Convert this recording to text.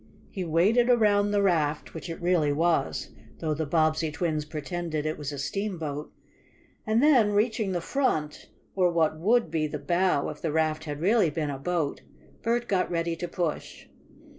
He waded around the raft, which it really was, though the Bobbsey twins pretended it was a steamboat, and then, reaching the front, or what would be the bow if the raft had really been a boat, Bert got ready to push.